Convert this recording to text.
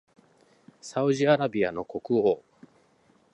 サウジアラビアの国王